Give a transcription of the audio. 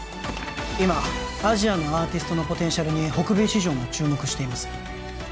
今アジアのアーティストのポテンシャルに北米市場も注目しています